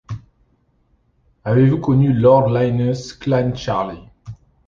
Avez-vous connu lord Linnœus Clancharlie ?